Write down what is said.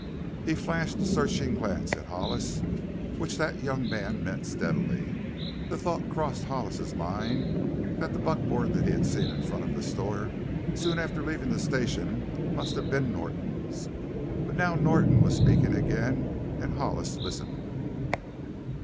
He flashed a searching glance at Hollis, which that young man met steadily. The thought crossed Hollis's mind that the buckboard that he had seen in front of a store soon after leaving the station must have been Norton's. But now Norton was speaking again and Hollis listened.